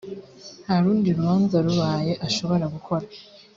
nta rundi rubanza rubaye ashobora gukora